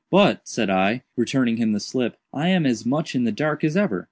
"But," said I, returning him the slip, "I am as much in the dark as ever.